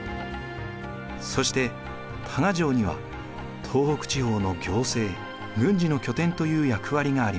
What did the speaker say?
そして多賀城には東北地方の行政・軍事の拠点という役割がありました。